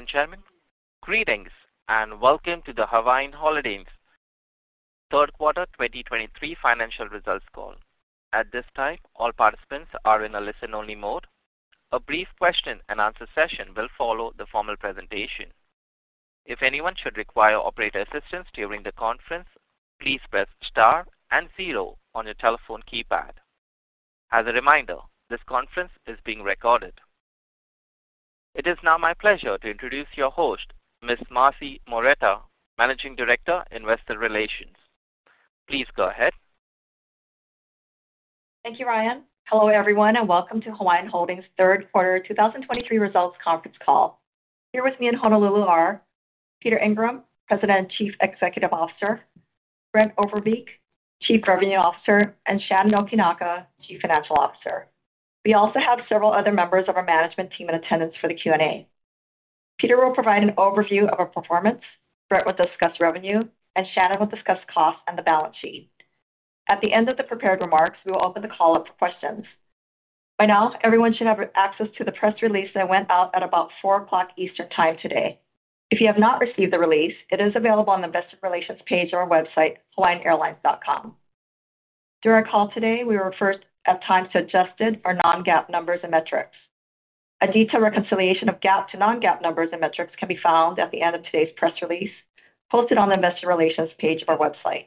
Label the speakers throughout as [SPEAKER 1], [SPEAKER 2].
[SPEAKER 1] Ladies and gentlemen, greetings, and welcome to the Hawaiian Holdings third quarter 2023 financial results call. At this time, all participants are in a listen-only mode. A brief question-and-answer session will follow the formal presentation. If anyone should require operator assistance during the conference, please press star and zero on your telephone keypad. As a reminder, this conference is being recorded. It is now my pleasure to introduce your host, Ms. Marcy Morita, Managing Director, Investor Relations. Please go ahead.
[SPEAKER 2] Thank you, Ryan. Hello, everyone, and welcome to Hawaiian Holdings third quarter 2023 results conference call. Here with me in Honolulu are Peter Ingram, President and Chief Executive Officer, Brent Overbeek, Chief Revenue Officer, and Shannon Okinaka, Chief Financial Officer. We also have several other members of our management team in attendance for the Q&A. Peter will provide an overview of our performance, Brent will discuss revenue, and Shannon will discuss costs and the balance sheet. At the end of the prepared remarks, we will open the call up for questions. By now, everyone should have access to the press release that went out at about 4:00 P.M. Eastern Time today. If you have not received the release, it is available on the investor relations page of our website, hawaiianairlines.com. During our call today, we refer at times to adjusted or non-GAAP numbers and metrics. A detailed reconciliation of GAAP to non-GAAP numbers and metrics can be found at the end of today's press release, posted on the investor relations page of our website.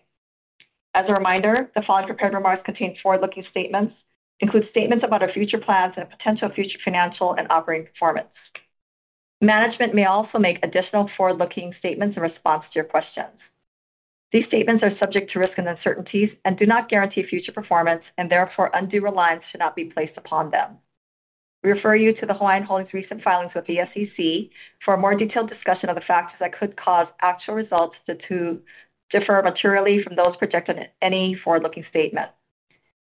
[SPEAKER 2] As a reminder, the following prepared remarks contain forward-looking statements, include statements about our future plans and potential future financial and operating performance. Management may also make additional forward-looking statements in response to your questions. These statements are subject to risks and uncertainties and do not guarantee future performance, and therefore undue reliance should not be placed upon them. We refer you to the Hawaiian Holdings recent filings with the SEC for a more detailed discussion of the factors that could cause actual results to differ materially from those projected in any forward-looking statement.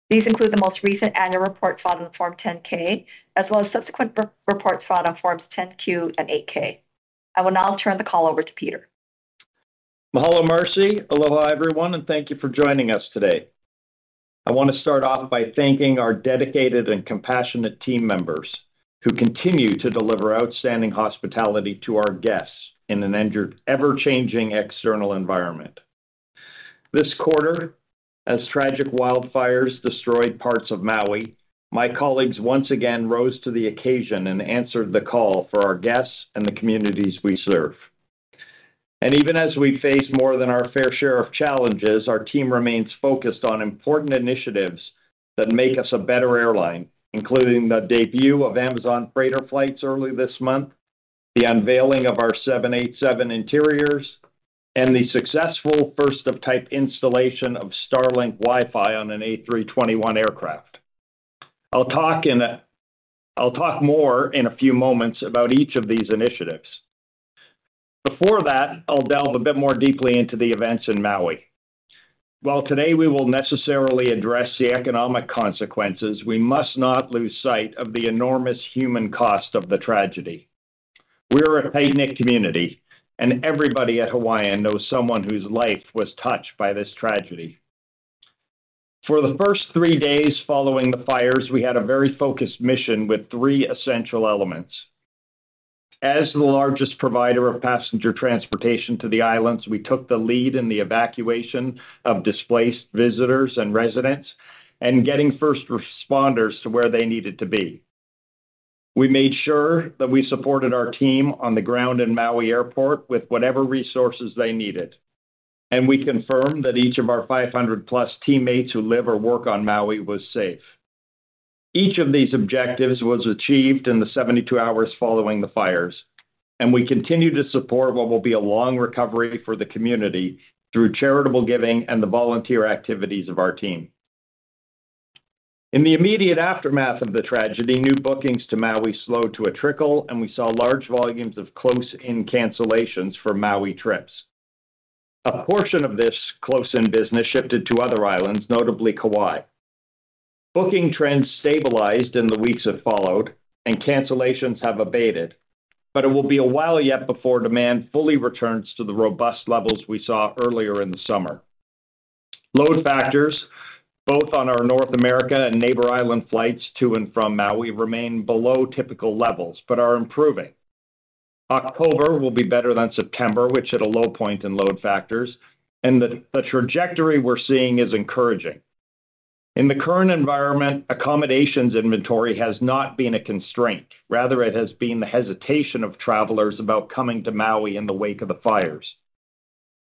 [SPEAKER 2] These include the most recent annual report filed in Form 10-K, as well as subsequent reports filed on Forms 10-Q and 8-K. I will now turn the call over to Peter.
[SPEAKER 3] Mahalo, Marcy. Aloha, everyone, and thank you for joining us today. I want to start off by thanking our dedicated and compassionate team members, who continue to deliver outstanding hospitality to our guests in an ever-changing external environment. This quarter, as tragic wildfires destroyed parts of Maui, my colleagues once again rose to the occasion and answered the call for our guests and the communities we serve. Even as we face more than our fair share of challenges, our team remains focused on important initiatives that make us a better airline, including the debut of Amazon freighter flights early this month, the unveiling of our 787 interiors, and the successful first-of-type installation of Starlink Wi-Fi on an A321 aircraft. I'll talk more in a few moments about each of these initiatives. Before that, I'll delve a bit more deeply into the events in Maui. While today we will necessarily address the economic consequences, we must not lose sight of the enormous human cost of the tragedy. We're a tight-knit community, and everybody at Hawaiian knows someone whose life was touched by this tragedy. For the first three days following the fires, we had a very focused mission with three essential elements. As the largest provider of passenger transportation to the islands, we took the lead in the evacuation of displaced visitors and residents and getting first responders to where they needed to be. We made sure that we supported our team on the ground in Maui Airport with whatever resources they needed, and we confirmed that each of our 500+ teammates who live or work on Maui was safe. Each of these objectives was achieved in the 72 hours following the fires, and we continue to support what will be a long recovery for the community through charitable giving and the volunteer activities of our team. In the immediate aftermath of the tragedy, new bookings to Maui slowed to a trickle, and we saw large volumes of close-in cancellations for Maui trips. A portion of this close-in business shifted to other islands, notably Kauaʻi. Booking trends stabilized in the weeks that followed, and cancellations have abated, but it will be a while yet before demand fully returns to the robust levels we saw earlier in the summer. Load factors, both on our North America and Neighbor Island flights to and from Maui, remain below typical levels but are improving. October will be better than September, which hit a low point in load factors, and the trajectory we're seeing is encouraging. In the current environment, accommodations inventory has not been a constraint. Rather, it has been the hesitation of travelers about coming to Maui in the wake of the fires.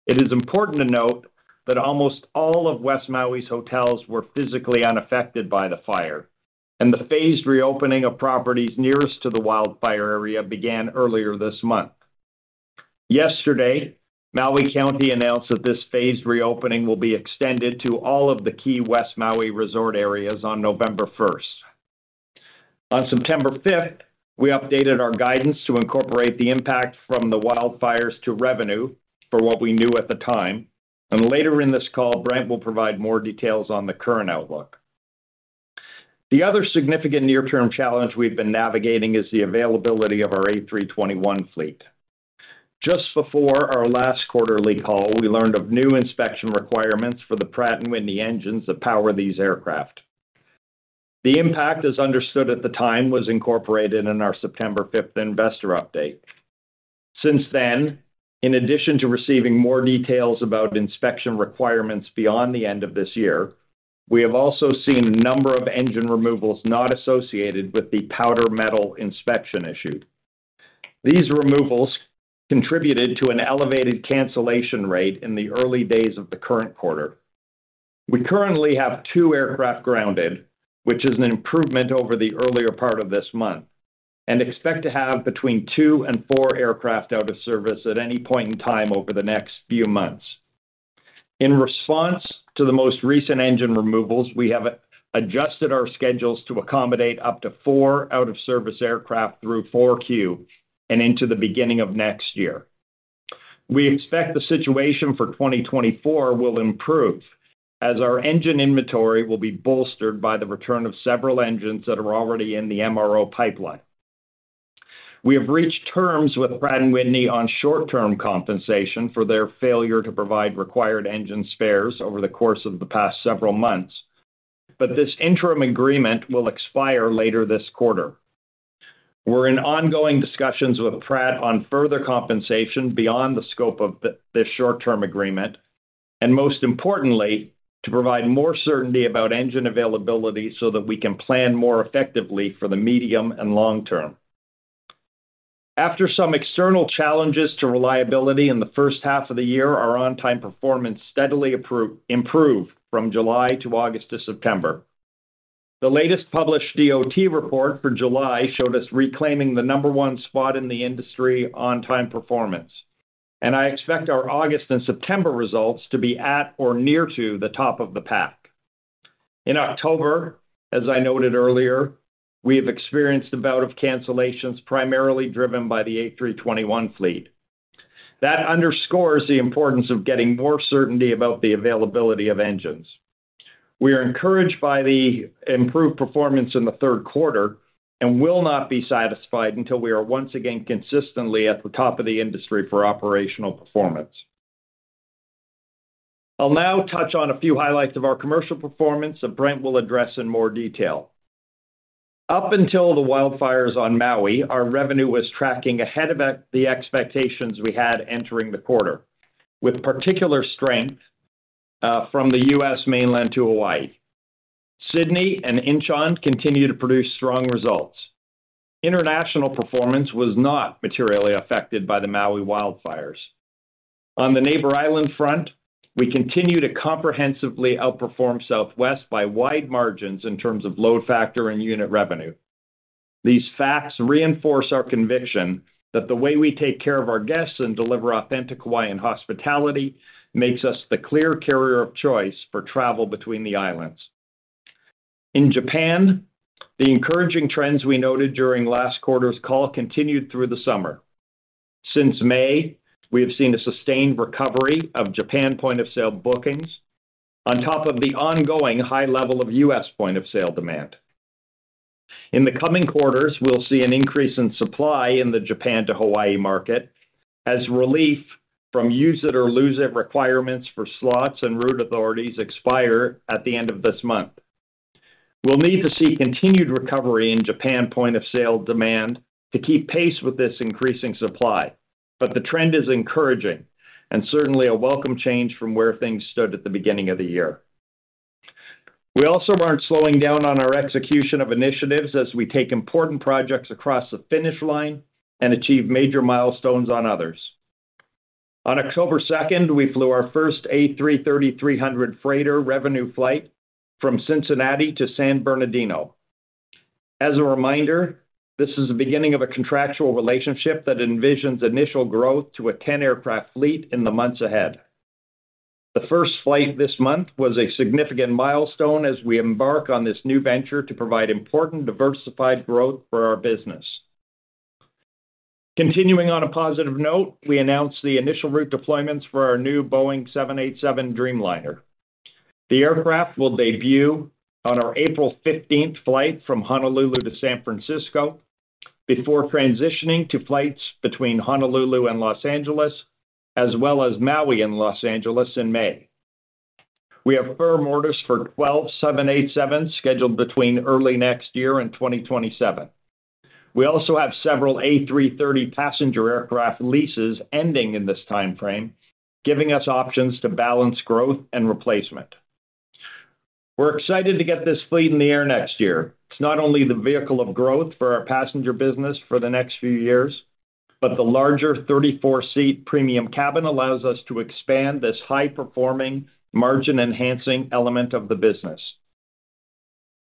[SPEAKER 3] It is important to note that almost all of West Maui's hotels were physically unaffected by the fire, and the phased reopening of properties nearest to the wildfire area began earlier this month. Yesterday, Maui County announced that this phased reopening will be extended to all of the key West Maui resort areas on November 1st. On September 5th, we updated our guidance to incorporate the impact from the wildfires to revenue for what we knew at the time, and later in this call, Brent will provide more details on the current outlook. The other significant near-term challenge we've been navigating is the availability of our A321 fleet. Just before our last quarterly call, we learned of new inspection requirements for the Pratt & Whitney engines that power these aircraft. The impact, as understood at the time, was incorporated in our September 5th investor update. Since then, in addition to receiving more details about inspection requirements beyond the end of this year, we have also seen a number of engine removals not associated with the powder metal inspection issue. These removals contributed to an elevated cancellation rate in the early days of the current quarter. We currently have two aircraft grounded, which is an improvement over the earlier part of this month, and expect to have between two and four aircraft out of service at any point in time over the next few months. In response to the most recent engine removals, we have adjusted our schedules to accommodate up to four out-of-service aircraft through Q4 and into the beginning of next year. We expect the situation for 2024 will improve, as our engine inventory will be bolstered by the return of several engines that are already in the MRO pipeline. We have reached terms with Pratt & Whitney on short-term compensation for their failure to provide required engine spares over the course of the past several months, but this interim agreement will expire later this quarter. We're in ongoing discussions with Pratt on further compensation beyond the scope of this short-term agreement, and most importantly, to provide more certainty about engine availability so that we can plan more effectively for the medium and long term. After some external challenges to reliability in the first half of the year, our on-time performance steadily improved from July to August to September. The latest published DOT report for July showed us reclaiming the number one spot in the industry on-time performance, and I expect our August and September results to be at or near to the top of the pack. In October, as I noted earlier, we have experienced a bout of cancellations, primarily driven by the A321 fleet. That underscores the importance of getting more certainty about the availability of engines. We are encouraged by the improved performance in the third quarter and will not be satisfied until we are once again consistently at the top of the industry for operational performance. I'll now touch on a few highlights of our commercial performance that Brent will address in more detail. Up until the wildfires on Maui, our revenue was tracking ahead of the expectations we had entering the quarter, with particular strength from the U.S. mainland to Hawaii. Sydney and Incheon continue to produce strong results. International performance was not materially affected by the Maui wildfires. On the Neighbor Island front, we continue to comprehensively outperform Southwest by wide margins in terms of load factor and unit revenue. These facts reinforce our conviction that the way we take care of our guests and deliver authentic Hawaiian hospitality makes us the clear carrier of choice for travel between the islands. In Japan, the encouraging trends we noted during last quarter's call continued through the summer. Since May, we have seen a sustained recovery of Japan point-of-sale bookings on top of the ongoing high level of U.S. point-of-sale demand. In the coming quarters, we'll see an increase in supply in the Japan to Hawaii market as relief from use it or lose it requirements for slots and route authorities expire at the end of this month. We'll need to see continued recovery in Japan point-of-sale demand to keep pace with this increasing supply, but the trend is encouraging and certainly a welcome change from where things stood at the beginning of the year. We also aren't slowing down on our execution of initiatives as we take important projects across the finish line and achieve major milestones on others. On October 2, we flew our first A330-300 freighter revenue flight from Cincinnati to San Bernardino. As a reminder, this is the beginning of a contractual relationship that envisions initial growth to a 10-aircraft fleet in the months ahead. The first flight this month was a significant milestone as we embark on this new venture to provide important diversified growth for our business. Continuing on a positive note, we announced the initial route deployments for our new Boeing 787 Dreamliner. The aircraft will debut on our April 15th flight from Honolulu to San Francisco before transitioning to flights between Honolulu and Los Angeles, as well as Maui and Los Angeles in May. We have firm orders for 12 787s scheduled between early next year and 2027. We also have several A330 passenger aircraft leases ending in this timeframe, giving us options to balance growth and replacement. We're excited to get this fleet in the air next year. It's not only the vehicle of growth for our passenger business for the next few years, but the larger 34-seat premium cabin allows us to expand this high-performing, margin-enhancing element of the business.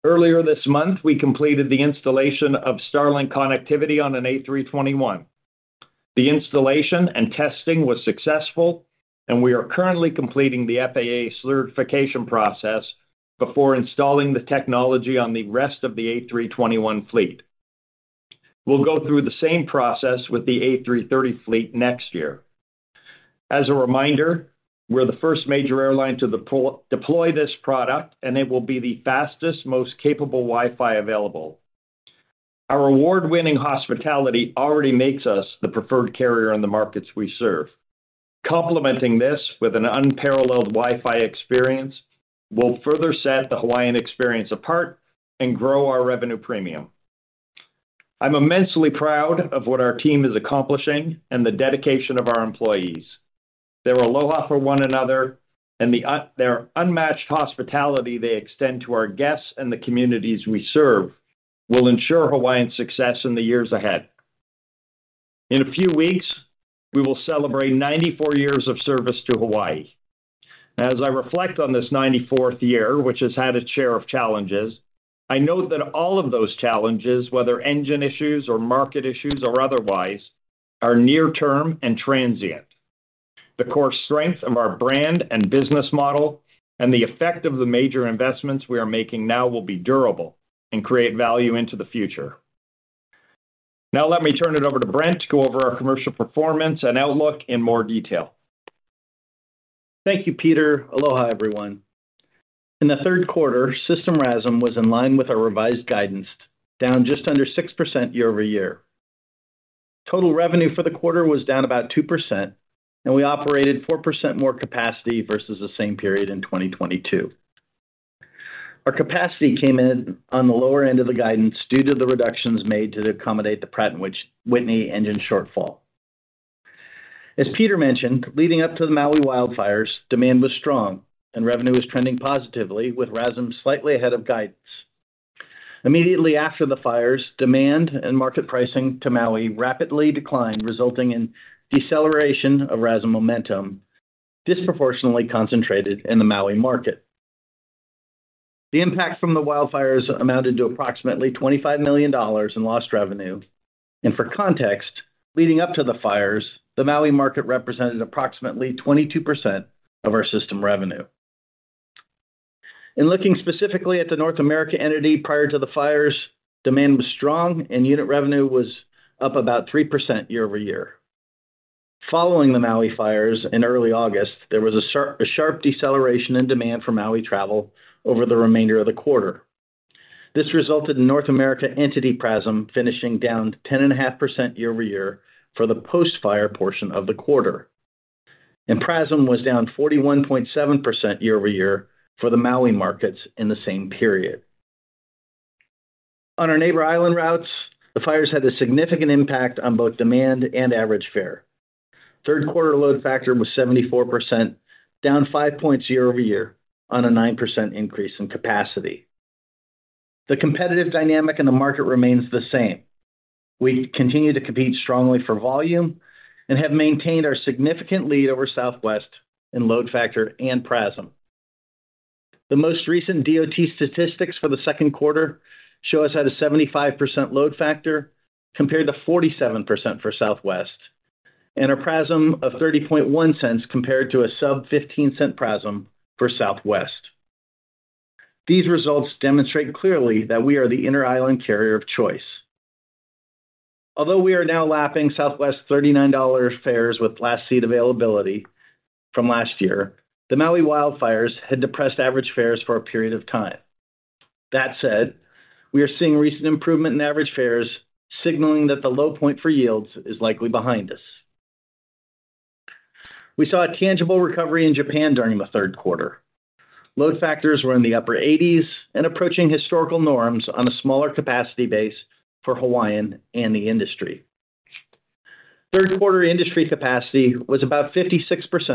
[SPEAKER 3] Earlier this month, we completed the installation of Starlink connectivity on an A321. The installation and testing was successful, and we are currently completing the FAA certification process before installing the technology on the rest of the A321 fleet. We'll go through the same process with the A330 fleet next year. As a reminder, we're the first major airline to deploy this product, and it will be the fastest, most capable Wi-Fi available... Our award-winning hospitality already makes us the preferred carrier in the markets we serve. Complementing this with an unparalleled Wi-Fi experience will further set the Hawaiian experience apart and grow our revenue premium. I'm immensely proud of what our team is accomplishing and the dedication of our employees. Their aloha for one another and their unmatched hospitality they extend to our guests and the communities we serve, will ensure Hawaiian success in the years ahead. In a few weeks, we will celebrate 94 years of service to Hawaii. As I reflect on this 94th year, which has had its share of challenges, I know that all of those challenges, whether engine issues or market issues or otherwise, are near-term and transient. The core strength of our brand and business model, and the effect of the major investments we are making now will be durable and create value into the future. Now, let me turn it over to Brent to go over our commercial performance and outlook in more detail.
[SPEAKER 4] Thank you, Peter. Aloha, everyone. In the third quarter, system RASM was in line with our revised guidance, down just under 6% year-over-year. Total revenue for the quarter was down about 2%, and we operated 4% more capacity versus the same period in 2022. Our capacity came in on the lower end of the guidance due to the reductions made to accommodate the Pratt & Whitney engine shortfall. As Peter mentioned, leading up to the Maui wildfires, demand was strong and revenue was trending positively, with RASM slightly ahead of guidance. Immediately after the fires, demand and market pricing to Maui rapidly declined, resulting in deceleration of RASM momentum, disproportionately concentrated in the Maui market. The impact from the wildfires amounted to approximately $25 million in lost revenue, and for context, leading up to the fires, the Maui market represented approximately 22% of our system revenue. In looking specifically at the North America entity prior to the fires, demand was strong and unit revenue was up about 3% year over year. Following the Maui fires in early August, there was a sharp deceleration in demand for Maui travel over the remainder of the quarter. This resulted in North America entity PRASM finishing down 10.5% year over year for the post-fire portion of the quarter. And PRASM was down 41.7% year over year for the Maui markets in the same period. On our Neighbor Island routes, the fires had a significant impact on both demand and average fare. Third quarter load factor was 74%, down five points year-over-year on a 9% increase in capacity. The competitive dynamic in the market remains the same. We continue to compete strongly for volume and have maintained our significant lead over Southwest in load factor and PRASM. The most recent DOT statistics for the second quarter show us at a 75% load factor, compared to 47% for Southwest, and a PRASM of $0.301, compared to a sub-15-cent PRASM for Southwest. These results demonstrate clearly that we are the inter-island carrier of choice. Although we are now lapping Southwest $39 fares with last seat availability from last year, the Maui wildfires had depressed average fares for a period of time. That said, we are seeing recent improvement in average fares, signaling that the low point for yields is likely behind us. We saw a tangible recovery in Japan during the third quarter. Load factors were in the upper 80s and approaching historical norms on a smaller capacity base for Hawaiian and the industry. Third quarter industry capacity was about 56%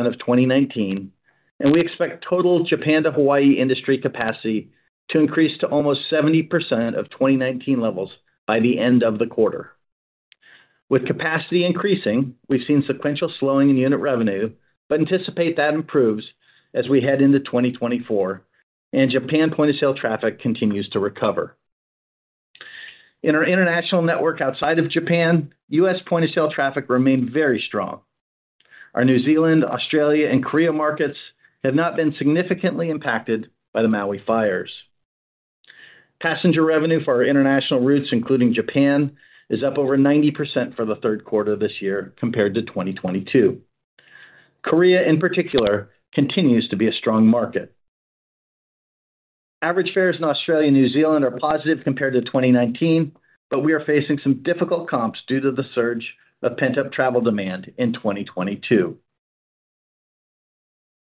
[SPEAKER 4] of 2019, and we expect total Japan to Hawaii industry capacity to increase to almost 70% of 2019 levels by the end of the quarter. With capacity increasing, we've seen sequential slowing in unit revenue, but anticipate that improves as we head into 2024, and Japan point-of-sale traffic continues to recover. In our international network outside of Japan, U.S. point-of-sale traffic remained very strong. Our New Zealand, Australia, and Korea markets have not been significantly impacted by the Maui fires. Passenger revenue for our international routes, including Japan, is up over 90% for the third quarter of this year compared to 2022. Korea, in particular, continues to be a strong market. Average fares in Australia and New Zealand are positive compared to 2019, but we are facing some difficult comps due to the surge of pent-up travel demand in 2022.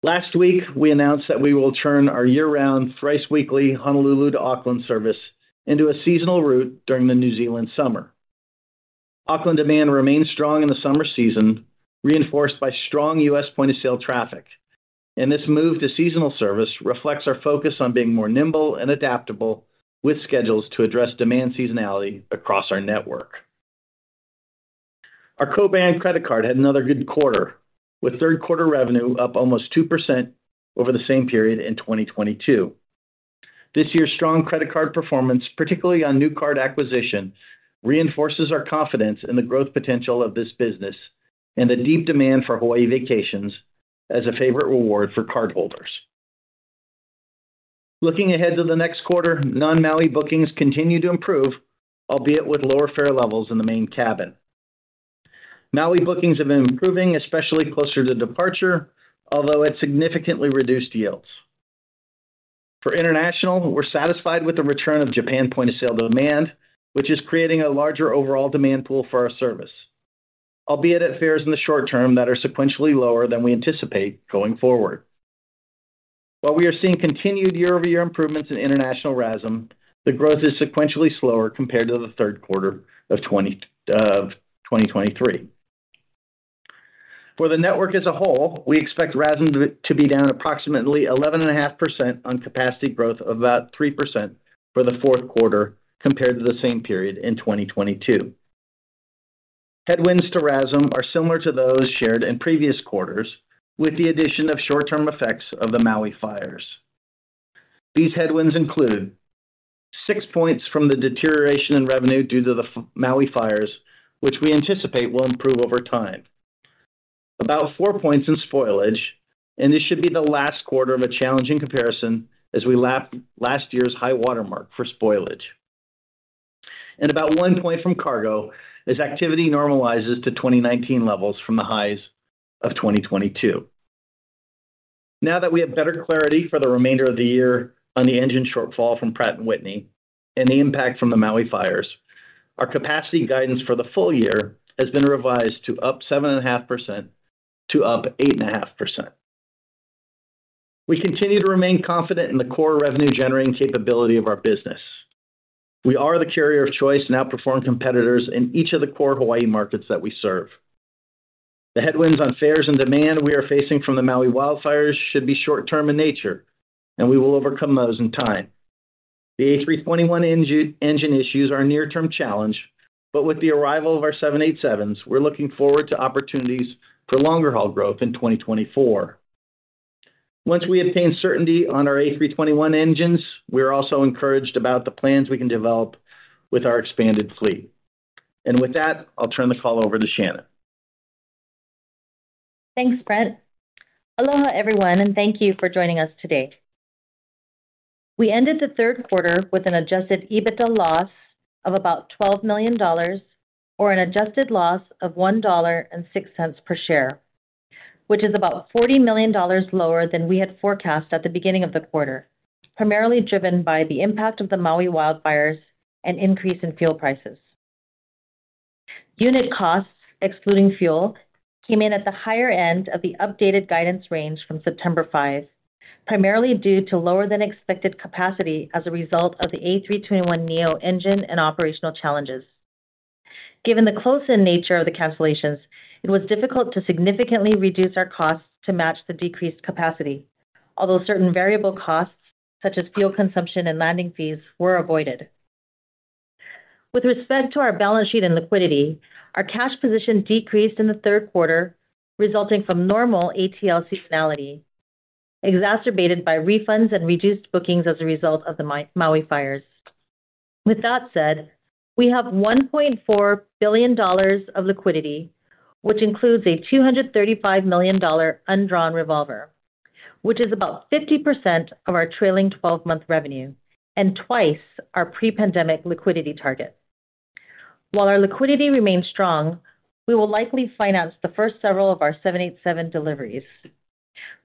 [SPEAKER 4] Last week, we announced that we will turn our year-round, thrice-weekly Honolulu to Auckland service into a seasonal route during the New Zealand summer. Auckland demand remains strong in the summer season, reinforced by strong U.S. point-of-sale traffic, and this move to seasonal service reflects our focus on being more nimble and adaptable with schedules to address demand seasonality across our network. Our co-brand credit card had another good quarter, with third quarter revenue up almost 2% over the same period in 2022. This year's strong credit card performance, particularly on new card acquisition, reinforces our confidence in the growth potential of this business and the deep demand for Hawaii vacations as a favorite reward for cardholders. Looking ahead to the next quarter, non-Maui bookings continue to improve, albeit with lower fare levels in the main cabin. Maui bookings have been improving, especially closer to departure, although at significantly reduced yields. For international, we're satisfied with the return of Japan point-of-sale demand, which is creating a larger overall demand pool for our service, albeit at fares in the short term that are sequentially lower than we anticipate going forward. While we are seeing continued year-over-year improvements in international RASM, the growth is sequentially slower compared to the third quarter of 2023. For the network as a whole, we expect RASM to be down approximately 11.5% on capacity growth of about 3% for the fourth quarter compared to the same period in 2022. Headwinds to RASM are similar to those shared in previous quarters, with the addition of short-term effects of the Maui fires. These headwinds include six points from the deterioration in revenue due to the Maui fires, which we anticipate will improve over time. About four points in spoilage, and this should be the last quarter of a challenging comparison as we lap last year's high watermark for spoilage. And about one point from cargo, as activity normalizes to 2019 levels from the highs of 2022. Now that we have better clarity for the remainder of the year on the engine shortfall from Pratt & Whitney and the impact from the Maui fires, our capacity guidance for the full year has been revised to up 7.5% to up 8.5%. We continue to remain confident in the core revenue-generating capability of our business. We are the carrier of choice and outperform competitors in each of the core Hawaii markets that we serve. The headwinds on fares and demand we are facing from the Maui wildfires should be short-term in nature, and we will overcome those in time. The A321 engine issues are a near-term challenge, but with the arrival of our 787s, we're looking forward to opportunities for longer-haul growth in 2024. Once we obtain certainty on our A321 engines, we are also encouraged about the plans we can develop with our expanded fleet. With that, I'll turn the call over to Shannon.
[SPEAKER 5] Thanks, Brent. Aloha, everyone, and thank you for joining us today. We ended the third quarter with an adjusted EBITDA loss of about $12 million or an adjusted loss of $1.06 per share, which is about $40 million lower than we had forecast at the beginning of the quarter, primarily driven by the impact of the Maui wildfires and increase in fuel prices. Unit costs, excluding fuel, came in at the higher end of the updated guidance range from September 5, primarily due to lower-than-expected capacity as a result of the A321neo engine and operational challenges. Given the close-in nature of the cancellations, it was difficult to significantly reduce our costs to match the decreased capacity, although certain variable costs, such as fuel consumption and landing fees, were avoided. With respect to our balance sheet and liquidity, our cash position decreased in the third quarter, resulting from normal ATL seasonality, exacerbated by refunds and reduced bookings as a result of the Maui fires. With that said, we have $1.4 billion of liquidity, which includes a $235 million undrawn revolver, which is about 50% of our trailing 12-month revenue and twice our pre-pandemic liquidity target. While our liquidity remains strong, we will likely finance the first several of our 787 deliveries.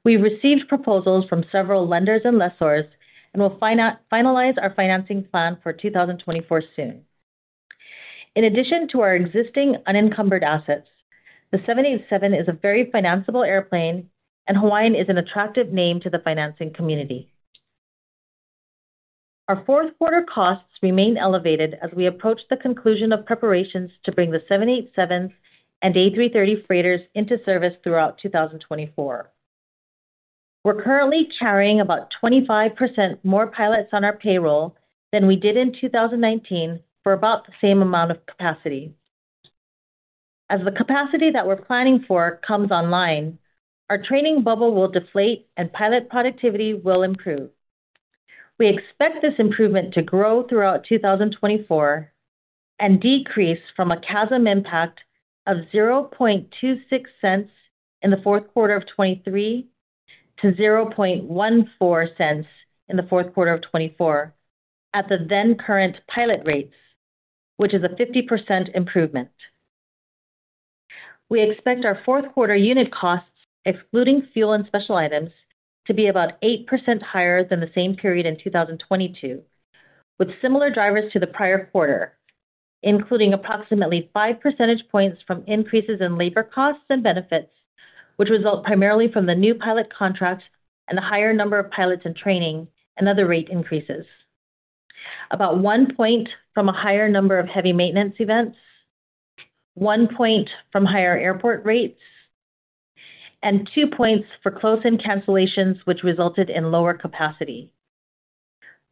[SPEAKER 5] We received proposals from several lenders and lessors and will finalize our financing plan for 2024 soon. In addition to our existing unencumbered assets, the 787 is a very financeable airplane, and Hawaiian is an attractive name to the financing community. Our fourth quarter costs remain elevated as we approach the conclusion of preparations to bring the 787s and A330 freighters into service throughout 2024. We're currently carrying about 25% more pilots on our payroll than we did in 2019, for about the same amount of capacity. As the capacity that we're planning for comes online, our training bubble will deflate and pilot productivity will improve. We expect this improvement to grow throughout 2024 and decrease from a CASM impact of $0.0026 in the fourth quarter of 2023 to $0.0014 in the fourth quarter of 2024 at the then-current pilot rates, which is a 50% improvement. We expect our fourth quarter unit costs, excluding fuel and special items, to be about 8% higher than the same period in 2022, with similar drivers to the prior quarter, including approximately 5 percentage points from increases in labor costs and benefits, which result primarily from the new pilot contracts and the higher number of pilots in training and other rate increases. About one point from a higher number of heavy maintenance events, one point from higher airport rates, and two points for close-in cancellations, which resulted in lower capacity,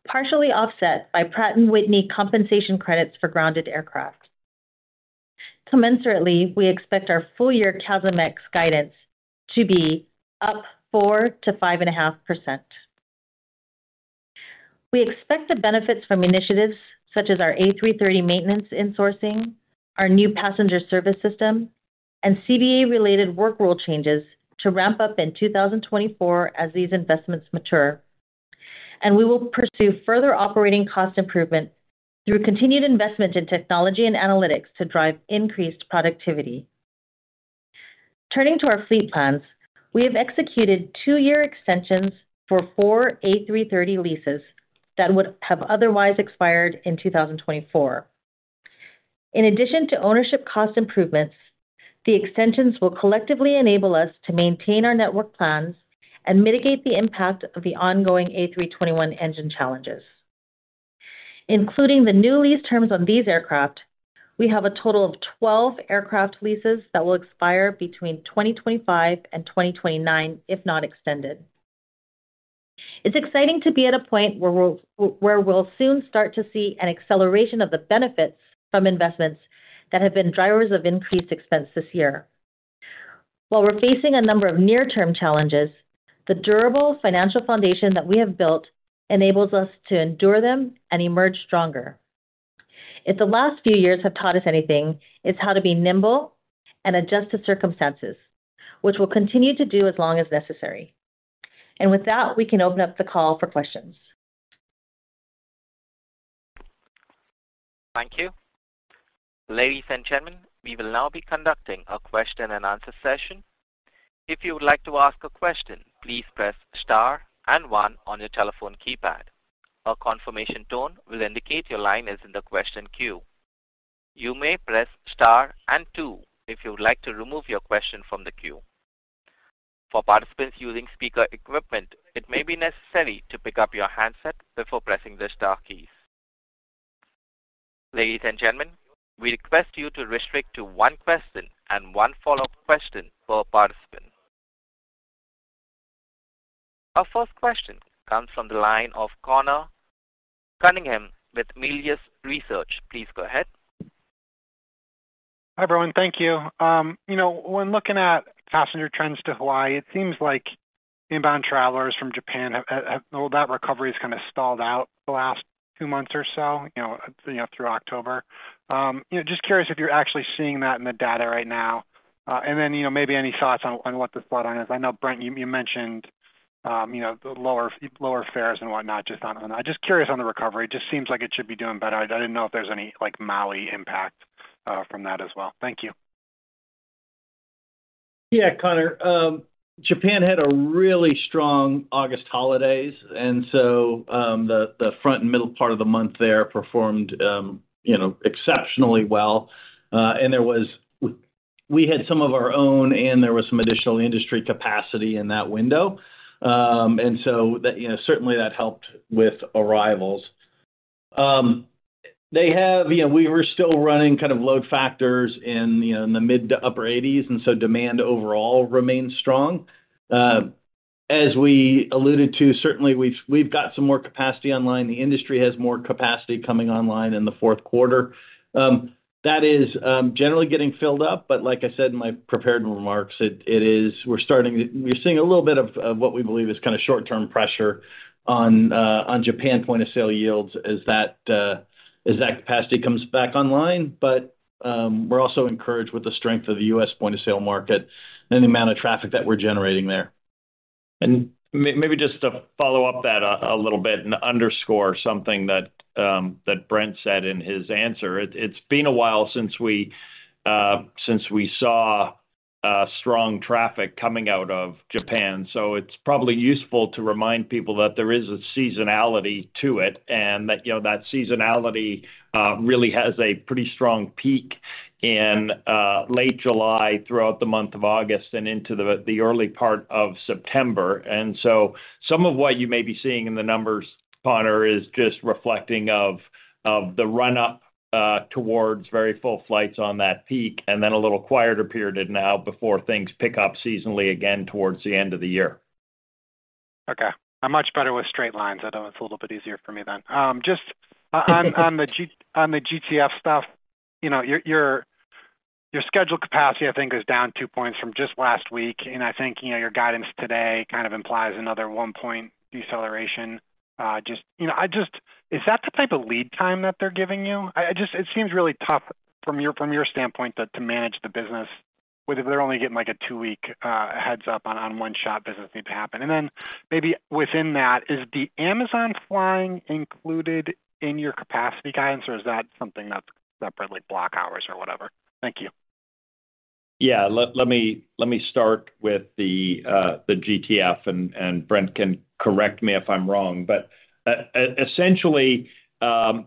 [SPEAKER 5] partially offset by Pratt & Whitney compensation credits for grounded aircraft. Commensurately, we expect our full-year CASM ex guidance to be up 4%-5.5%. We expect the benefits from initiatives such as our A330 maintenance insourcing, our new passenger service system, and CBA-related work rule changes to ramp up in 2024 as these investments mature. We will pursue further operating cost improvements through continued investment in technology and analytics to drive increased productivity.... Turning to our fleet plans, we have executed two-year extensions for four A330 leases that would have otherwise expired in 2024. In addition to ownership cost improvements, the extensions will collectively enable us to maintain our network plans and mitigate the impact of the ongoing A321 engine challenges. Including the new lease terms on these aircraft, we have a total of 12 aircraft leases that will expire between 2025 and 2029, if not extended. It's exciting to be at a point where we'll soon start to see an acceleration of the benefits from investments that have been drivers of increased expense this year. While we're facing a number of near-term challenges, the durable financial foundation that we have built enables us to endure them and emerge stronger. If the last few years have taught us anything, it's how to be nimble and adjust to circumstances, which we'll continue to do as long as necessary. With that, we can open up the call for questions.
[SPEAKER 1] Thank you. Ladies and gentlemen, we will now be conducting a question-and-answer session. If you would like to ask a question, please press star and one on your telephone keypad. A confirmation tone will indicate your line is in the question queue. You may press star and two if you would like to remove your question from the queue. For participants using speaker equipment, it may be necessary to pick up your handset before pressing the star keys. Ladies and gentlemen, we request you to restrict to one question and one follow-up question per participant. Our first question comes from the line of Conor Cunningham with Melius Research. Please go ahead.
[SPEAKER 6] Hi, everyone. Thank you. You know, when looking at passenger trends to Hawaiʻi, it seems like inbound travelers from Japan have. Well, that recovery is kind of stalled out the last two months or so, you know, through October. Just curious if you're actually seeing that in the data right now. And then, you know, maybe any thoughts on what the slowdown is. I know, Brent, you mentioned, you know, the lower fares and whatnot, just on... I'm just curious on the recovery. It just seems like it should be doing better. I didn't know if there's any, like, Maui impact from that as well. Thank you.
[SPEAKER 4] Yeah, Conor. Japan had a really strong August holidays, and so, the front and middle part of the month there performed, you know, exceptionally well. And there was—we had some of our own, and there was some additional industry capacity in that window. And so, you know, certainly, that helped with arrivals. They have, you know, we were still running kind of load factors in, you know, in the mid- to upper 80s, and so demand overall remains strong. As we alluded to, certainly, we've got some more capacity online. The industry has more capacity coming online in the fourth quarter. That is generally getting filled up, but like I said in my prepared remarks, we're seeing a little bit of what we believe is kind of short-term pressure on Japan point-of-sale yields as that capacity comes back online. But we're also encouraged with the strength of the U.S. point-of-sale market and the amount of traffic that we're generating there.
[SPEAKER 3] And maybe just to follow up that a little bit and underscore something that, that Brent said in his answer. It's been a while since we saw strong traffic coming out of Japan, so it's probably useful to remind people that there is a seasonality to it, and that, you know, that seasonality really has a pretty strong peak in late July, throughout the month of August and into the early part of September. And so some of what you may be seeing in the numbers, Conor, is just reflecting of the run-up towards very full flights on that peak, and then a little quieter period now before things pick up seasonally again towards the end of the year.
[SPEAKER 6] Okay. I'm much better with straight lines. I know it's a little bit easier for me then. Just on the GTF stuff, you know, your schedule capacity, I think, is down two points from just last week, and I think, you know, your guidance today kind of implies another one point deceleration. Just, you know, I just— Is that the type of lead time that they're giving you? I just— It seems really tough from your standpoint to manage the business, whether they're only getting, like, a two-week heads-up on when shop visits need to happen. And then maybe within that, is the Amazon flying included in your capacity guidance, or is that something that's separately block hours or whatever? Thank you.
[SPEAKER 3] Yeah, let me start with the GTF, and Brent can correct me if I'm wrong. But essentially,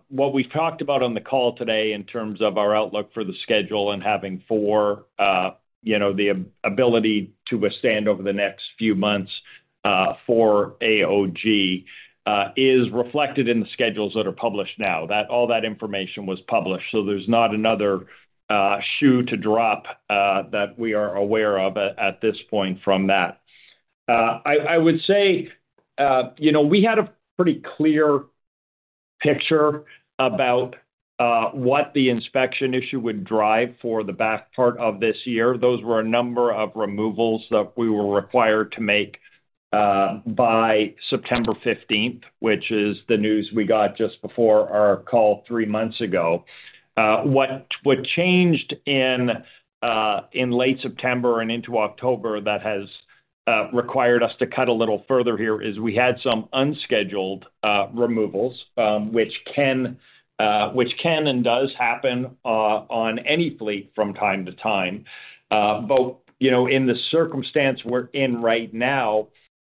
[SPEAKER 3] what we talked about on the call today in terms of our outlook for the schedule and having four, you know, the ability to withstand over the next few months, four AOG is reflected in the schedules that are published now, that all that information was published. So there's not another shoe to drop that we are aware of at this point from that. I would say, you know, we had a pretty clear picture about what the inspection issue would drive for the back part of this year. Those were a number of removals that we were required to make by September 15th, which is the news we got just before our call three months ago. What changed in late September and into October that has required us to cut a little further here is we had some unscheduled removals, which can and does happen on any fleet from time to time. But you know, in the circumstance we're in right now,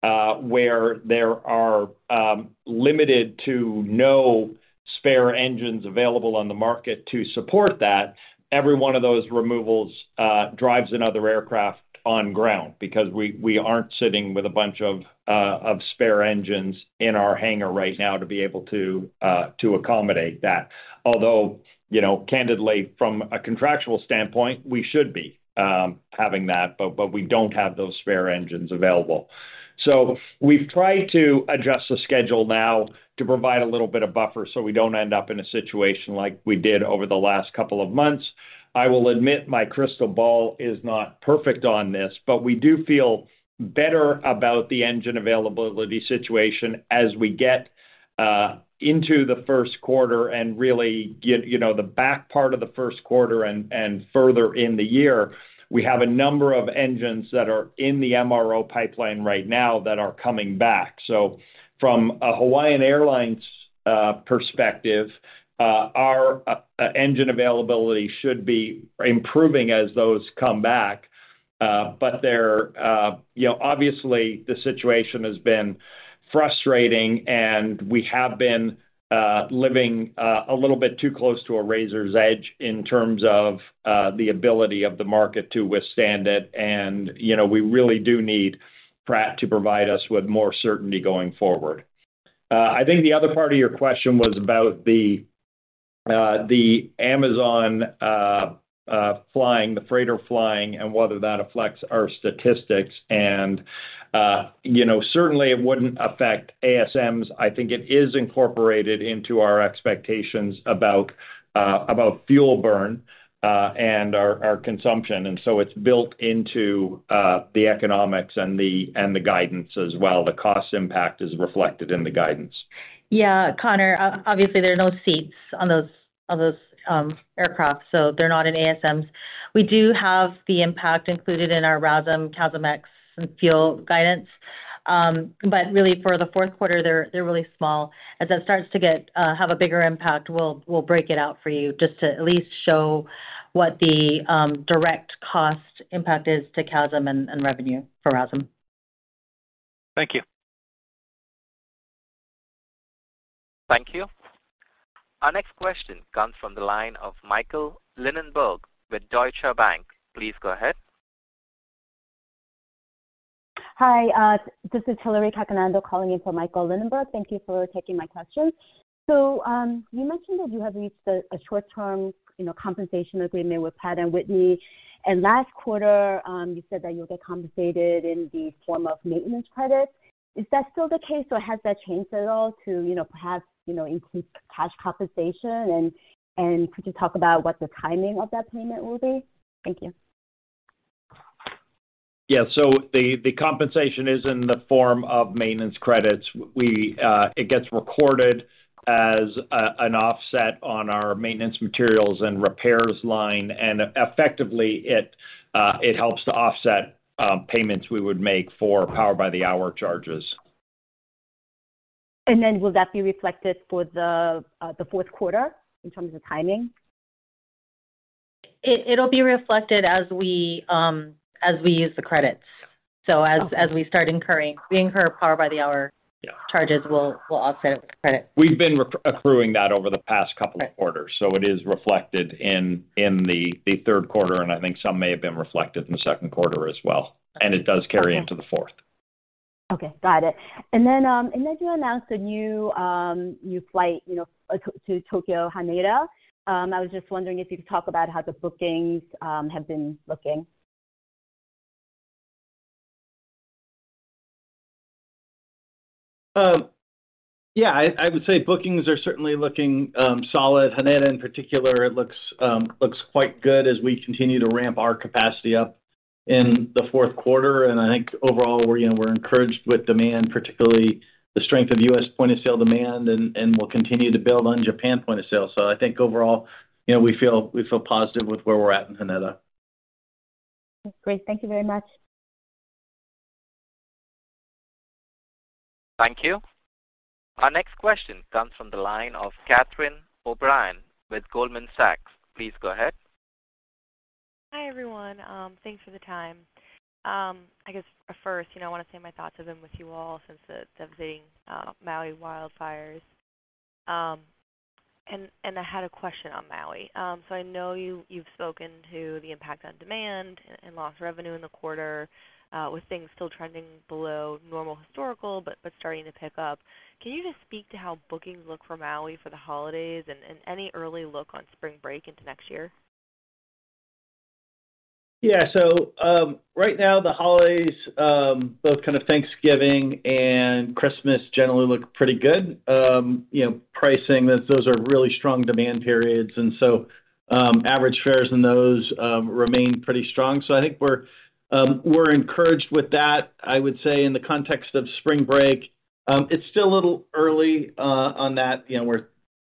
[SPEAKER 3] where there are limited to no spare engines available on the market to support that, every one of those removals drives another aircraft on ground. Because we aren't sitting with a bunch of spare engines in our hangar right now to be able to accommodate that. Although, you know, candidly, from a contractual standpoint, we should be having that, but we don't have those spare engines available. So we've tried to adjust the schedule now to provide a little bit of buffer, so we don't end up in a situation like we did over the last couple of months. I will admit my crystal ball is not perfect on this, but we do feel better about the engine availability situation as we get into the first quarter and really get, you know, the back part of the first quarter and further in the year. We have a number of engines that are in the MRO pipeline right now that are coming back. So from a Hawaiian Airlines perspective, our engine availability should be improving as those come back. But they're, you know, obviously, the situation has been frustrating, and we have been living a little bit too close to a razor's edge in terms of the ability of the market to withstand it. And, you know, we really do need Pratt to provide us with more certainty going forward. I think the other part of your question was about the Amazon flying, the freighter flying, and whether that affects our statistics. And, you know, certainly it wouldn't affect ASMs. I think it is incorporated into our expectations about fuel burn and our consumption, and so it's built into the economics and the guidance as well. The cost impact is reflected in the guidance.
[SPEAKER 5] Yeah, Conor, obviously there are no seats on those aircraft, so they're not in ASMs. We do have the impact included in our RASM, CASM ex and fuel guidance. But really, for the fourth quarter, they're really small. As that starts to have a bigger impact, we'll break it out for you, just to at least show what the direct cost impact is to CASM and revenue for RASM.
[SPEAKER 6] Thank you.
[SPEAKER 1] Thank you. Our next question comes from the line of Michael Linnenberg with Deutsche Bank. Please go ahead.
[SPEAKER 7] Hi, this is Hillary Cacanando calling in for Michael Linnenberg. Thank you for taking my question. So, you mentioned that you have reached a short-term, you know, compensation agreement with Pratt & Whitney, and last quarter, you said that you'll get compensated in the form of maintenance credits. Is that still the case, or has that changed at all to, you know, perhaps, you know, increase cash compensation? And could you talk about what the timing of that payment will be? Thank you.
[SPEAKER 3] Yeah, so the compensation is in the form of maintenance credits. It gets recorded as an offset on our maintenance, materials, and repairs line, and effectively, it helps to offset payments we would make for power by the hour charges.
[SPEAKER 7] And then will that be reflected for the fourth quarter in terms of timing?
[SPEAKER 5] It'll be reflected as we use the credits.
[SPEAKER 7] Okay.
[SPEAKER 5] So as we start incurring, we incur power by the hour.
[SPEAKER 3] Yeah.
[SPEAKER 5] charges, we'll offset it with the credit.
[SPEAKER 3] We've been accruing that over the past couple of quarters.
[SPEAKER 7] Right.
[SPEAKER 3] So it is reflected in the third quarter, and I think some may have been reflected in the second quarter as well, and it does carry into the fourth.
[SPEAKER 7] Okay, got it. And then you announced a new flight, you know, to Tokyo, Haneda. I was just wondering if you could talk about how the bookings have been looking.
[SPEAKER 3] Yeah, I would say bookings are certainly looking solid. Haneda, in particular, it looks quite good as we continue to ramp our capacity up in the fourth quarter. And I think overall, we're, you know, we're encouraged with demand, particularly the strength of U.S. point-of-sale demand, and we'll continue to build on Japan point-of-sale. So I think overall, you know, we feel positive with where we're at in Haneda.
[SPEAKER 7] Great. Thank you very much.
[SPEAKER 1] Thank you. Our next question comes from the line of Catherine O'Brien with Goldman Sachs. Please go ahead.
[SPEAKER 8] Hi, everyone. Thanks for the time. I guess first, you know, I want to say my thoughts have been with you all since the devastating Maui wildfires. And I had a question on Maui. So I know you've spoken to the impact on demand and lost revenue in the quarter, with things still trending below normal historical, but starting to pick up. Can you just speak to how bookings look for Maui for the holidays and any early look on spring break into next year?
[SPEAKER 3] Yeah. So, right now, the holidays, both kind of Thanksgiving and Christmas, generally look pretty good. You know, pricing, those are really strong demand periods, and so, average fares in those remain pretty strong. So I think we're encouraged with that. I would say in the context of spring break, it's still a little early on that. You know,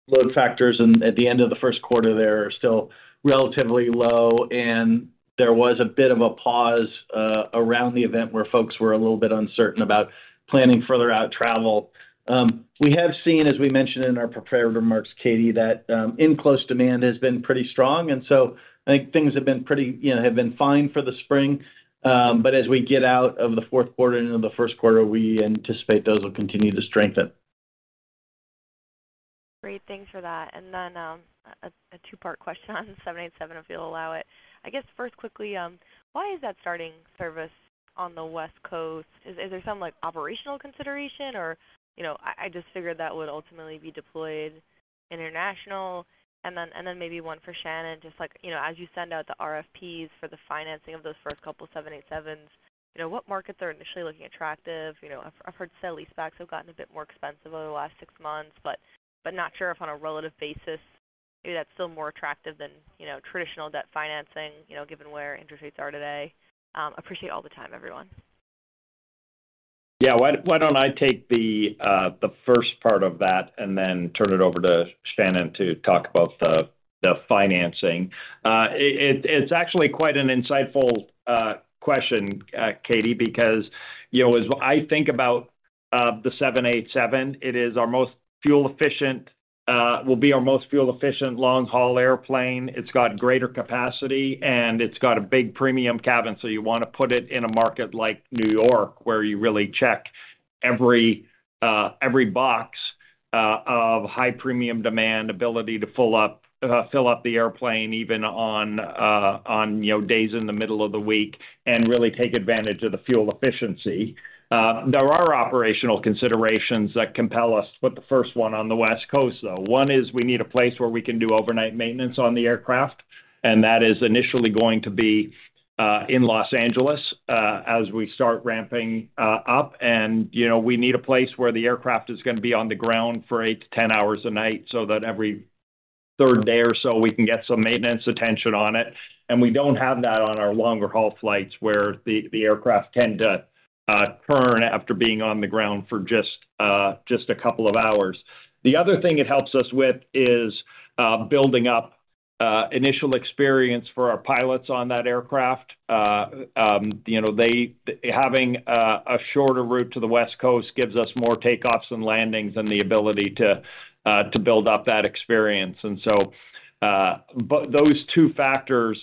[SPEAKER 3] load factors at the end of the first quarter, they're still relatively low, and there was a bit of a pause around the event where folks were a little bit uncertain about planning further out travel. We have seen, as we mentioned in our prepared remarks, Katie, that inbound demand has been pretty strong, and so I think things have been pretty, you know, have been fine for the spring. But as we get out of the fourth quarter and into the first quarter, we anticipate those will continue to strengthen.
[SPEAKER 8] Great, thanks for that. And then, a two-part question on 787, if you'll allow it. I guess first, quickly, why is that starting service on the West Coast? Is there some, like, operational consideration or, you know... I just figured that would ultimately be deployed international. And then, maybe one for Shannon, just like, you know, as you send out the RFPs for the financing of those first couple 787s, you know, what markets are initially looking attractive? You know, I've heard sale-leasebacks have gotten a bit more expensive over the last 6 months, but not sure if on a relative basis, maybe that's still more attractive than, you know, traditional debt financing, you know, given where interest rates are today. Appreciate all the time, everyone.
[SPEAKER 3] Yeah. Why don't I take the first part of that and then turn it over to Shannon to talk about the financing? It's actually quite an insightful question, Cathie, because, you know, as I think about the 787, it will be our most fuel efficient long-haul airplane. It's got greater capacity, and it's got a big premium cabin, so you want to put it in a market like New York, where you really check every box of high premium demand, ability to fill up the airplane, even on, you know, days in the middle of the week, and really take advantage of the fuel efficiency. There are operational considerations that compel us to put the first one on the West Coast, though. One is we need a place where we can do overnight maintenance on the aircraft, and that is initially going to be in Los Angeles as we start ramping up. You know, we need a place where the aircraft is gonna be on the ground for eight to 10 hours a night, so that every third day or so, we can get some maintenance attention on it. We don't have that on our longer-haul flights, where the aircraft tend to turn after being on the ground for just a couple of hours. The other thing it helps us with is building up initial experience for our pilots on that aircraft. You know, they—having a shorter route to the West Coast gives us more takeoffs and landings and the ability to build up that experience. And so, but those two factors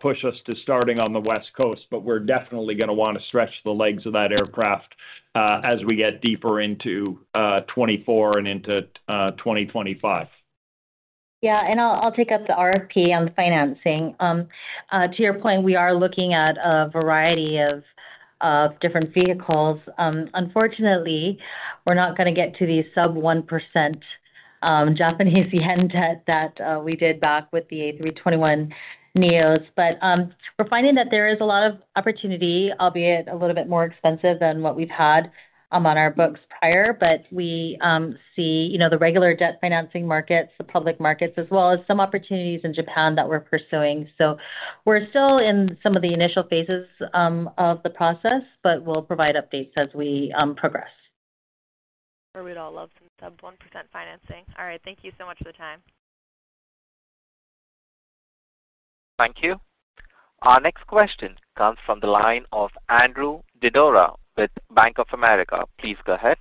[SPEAKER 3] push us to starting on the West Coast, but we're definitely gonna wanna stretch the legs of that aircraft as we get deeper into 2024 and into 2025.
[SPEAKER 5] Yeah, and I'll take up the RFP on the financing. To your point, we are looking at a variety of different vehicles. Unfortunately, we're not gonna get to the sub-1% Japanese yen debt that we did back with the A321neos. But we're finding that there is a lot of opportunity, albeit a little bit more expensive than what we've had on our books prior. But we see, you know, the regular debt financing markets, the public markets, as well as some opportunities in Japan that we're pursuing. So we're still in some of the initial phases of the process, but we'll provide updates as we progress.
[SPEAKER 8] We'd all love some sub-1% financing. All right. Thank you so much for the time.
[SPEAKER 1] Thank you. Our next question comes from the line of Andrew Didora with Bank of America. Please go ahead.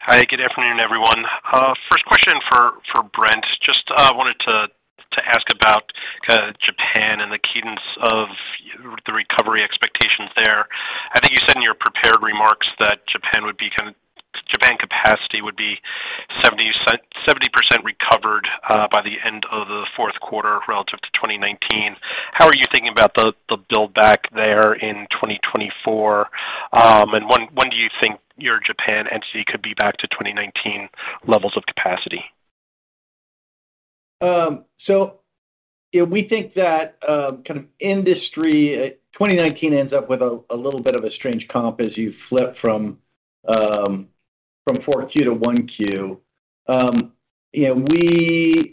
[SPEAKER 9] Hi, good afternoon, everyone. First question for Brent. Just wanted to ask about Japan and the cadence of the recovery expectations there. I think you said in your prepared remarks that Japan would be kind of Japan capacity would be 70% recovered by the end of the fourth quarter relative to 2019. How are you thinking about the build back there in 2024? And when do you think your Japan entity could be back to 2019 levels of capacity?
[SPEAKER 3] So, you know, we think that kind of industry 2019 ends up with a little bit of a strange comp as you flip from 4Q to 1Q. You know,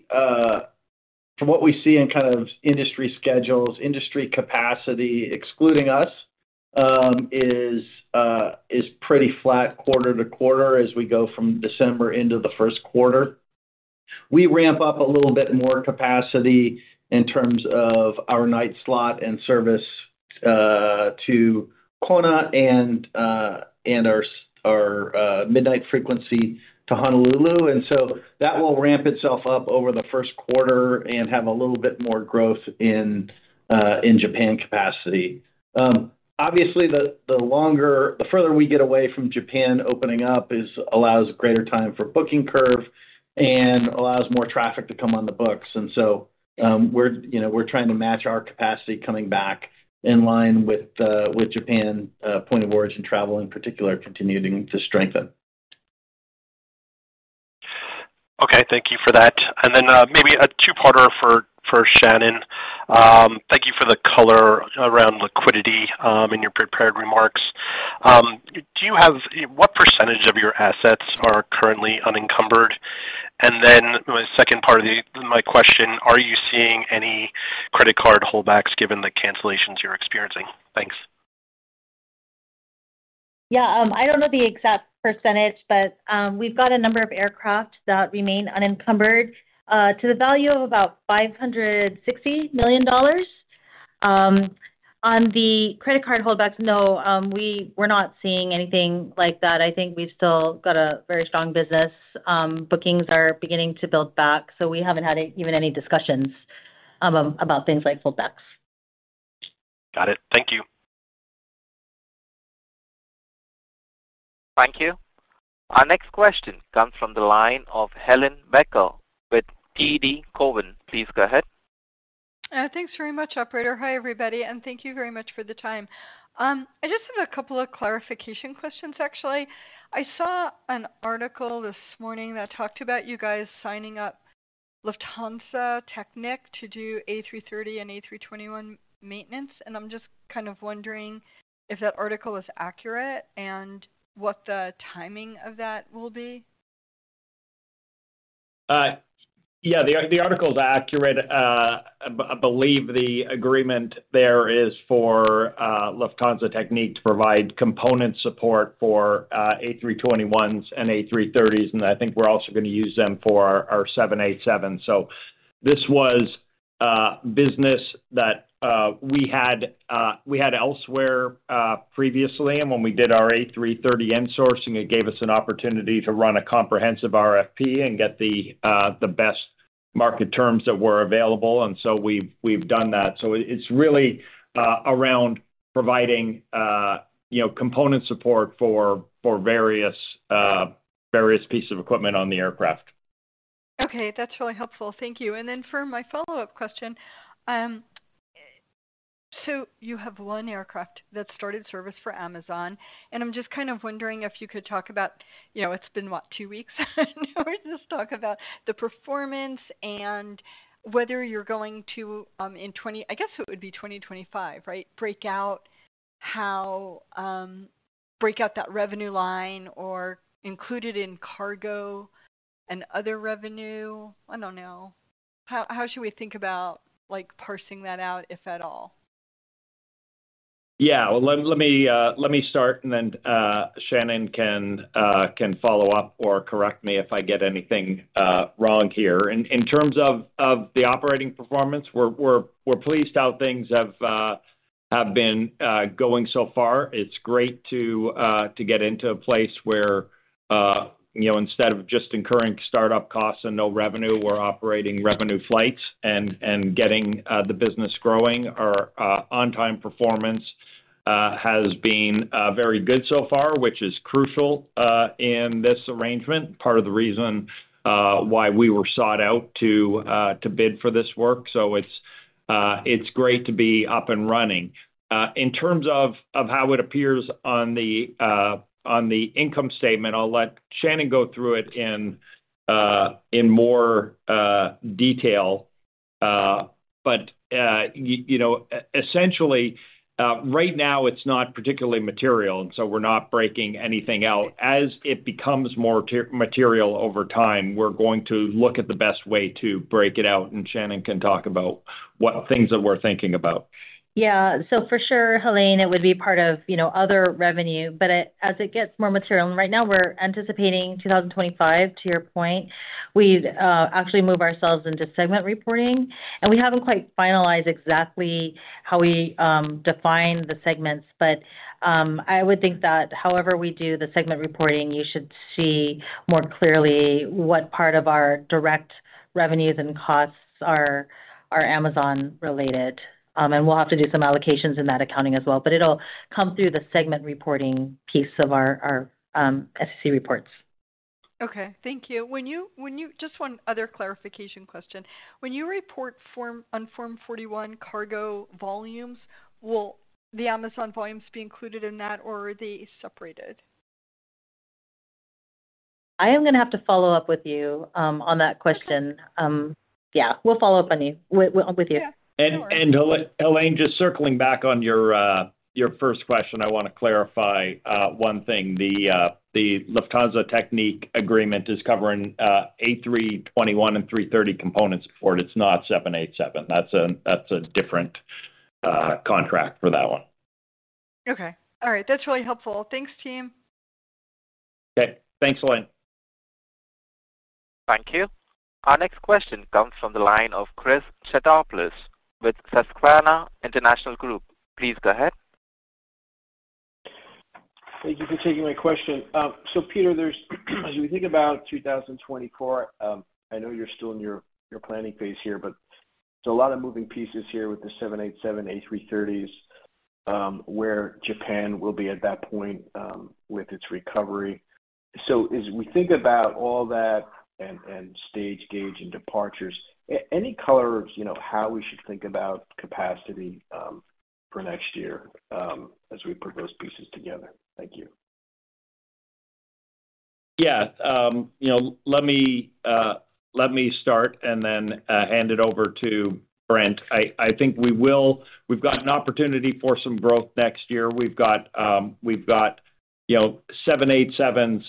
[SPEAKER 3] from what we see in kind of industry schedules, industry capacity, excluding us, is pretty flat quarter to quarter as we go from December into the first quarter. We ramp up a little bit more capacity in terms of our night slot and service to Kona and our midnight frequency to Honolulu, and so that will ramp itself up over the first quarter and have a little bit more growth in Japan capacity. Obviously, the longer, the further we get away from Japan opening up is, allows greater time for booking curve and allows more traffic to come on the books. And so, we're, you know, we're trying to match our capacity coming back in line with with Japan point of origin travel in particular, continuing to strengthen.
[SPEAKER 9] Okay, thank you for that. And then, maybe a two-parter for Shannon. Thank you for the color around liquidity in your prepared remarks. Do you have-- What percentage of your assets are currently unencumbered? And then the second part of my question, are you seeing any credit card holdbacks given the cancellations you're experiencing?...
[SPEAKER 5] Yeah, I don't know the exact percentage, but, we've got a number of aircraft that remain unencumbered, to the value of about $560 million. On the credit card holdbacks, no, we're not seeing anything like that. I think we've still got a very strong business. Bookings are beginning to build back, so we haven't had even any discussions, about things like holdbacks.
[SPEAKER 3] Got it. Thank you.
[SPEAKER 1] Thank you. Our next question comes from the line of Helane Becker with TD Cowen. Please go ahead.
[SPEAKER 10] Thanks very much, operator. Hi, everybody, and thank you very much for the time. I just have a couple of clarification questions, actually. I saw an article this morning that talked about you guys signing up Lufthansa Technik to do A330 and A321 maintenance, and I'm just kind of wondering if that article is accurate and what the timing of that will be.
[SPEAKER 3] Yeah, the article is accurate. I believe the agreement there is for Lufthansa Technik to provide component support for A321s and A330s, and I think we're also going to use them for our 787. So this was a business that we had elsewhere previously, and when we did our A330 insourcing, it gave us an opportunity to run a comprehensive RFP and get the best market terms that were available, and so we've done that. So it's really around providing, you know, component support for various pieces of equipment on the aircraft.
[SPEAKER 10] Okay, that's really helpful. Thank you. And then for my follow-up question: so you have one aircraft that started service for Amazon, and I'm just kind of wondering if you could talk about, you know, it's been, what, two weeks? I don't know, just talk about the performance and whether you're going to, in 2025, right? Break out how, break out that revenue line or include it in cargo and other revenue. I don't know. How, how should we think about, like, parsing that out, if at all?
[SPEAKER 3] Yeah, well, let me start, and then Shannon can follow up or correct me if I get anything wrong here. In terms of the operating performance, we're pleased how things have been going so far. It's great to get into a place where, you know, instead of just incurring start-up costs and no revenue, we're operating revenue flights and getting the business growing. Our on-time performance has been very good so far, which is crucial in this arrangement, part of the reason why we were sought out to bid for this work. So it's great to be up and running. In terms of how it appears on the income statement, I'll let Shannon go through it in more detail. But you know, essentially, right now it's not particularly material, and so we're not breaking anything out. As it becomes more material over time, we're going to look at the best way to break it out, and Shannon can talk about what things that we're thinking about.
[SPEAKER 5] Yeah. So for sure, Helane, it would be part of, you know, other revenue, but it, as it gets more material, and right now we're anticipating 2025, to your point, we'd actually move ourselves into segment reporting. And we haven't quite finalized exactly how we define the segments, but I would think that however we do the segment reporting, you should see more clearly what part of our direct revenues and costs are, are Amazon related. And we'll have to do some allocations in that accounting as well, but it'll come through the segment reporting piece of our, our SEC reports.
[SPEAKER 10] Okay. Thank you. When you-- Just one other clarification question. When you report on Form 41 cargo volumes, will the Amazon volumes be included in that, or are they separated?
[SPEAKER 5] I am gonna have to follow up with you on that question. Yeah, we'll follow up with you.
[SPEAKER 10] Yeah.
[SPEAKER 3] Helane, just circling back on your first question, I wanna clarify one thing. The Lufthansa Technik agreement is covering A321 and A330 components for it. It's not 787. That's a different contract for that one.
[SPEAKER 10] Okay. All right. That's really helpful. Thanks, team.
[SPEAKER 3] Okay. Thanks, Helane.
[SPEAKER 1] Thank you. Our next question comes from the line of Chris Stathoulopoulos with Susquehanna International Group. Please go ahead.
[SPEAKER 11] Thank you for taking my question. So Peter, there's as we think about 2024, I know you're still in your, your planning phase here, but there's a lot of moving pieces here with the 787, A330s, where Japan will be at that point, with its recovery. So as we think about all that and, and stage gauge and departures, any color of, you know, how we should think about capacity, for next year, as we put those pieces together? Thank you.
[SPEAKER 3] Yeah. You know, let me start and then hand it over to Brent. I think we will. We've got an opportunity for some growth next year. We've got, you know, 787s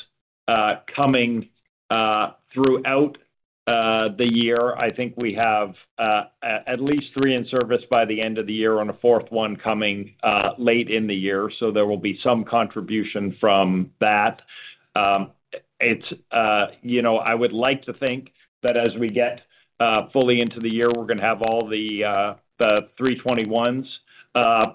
[SPEAKER 3] coming throughout the year. I think we have at least three in service by the end of the year, and a fourth one coming late in the year, so there will be some contribution from that. You know, I would like to think that as we get fully into the year, we're gonna have all the 321s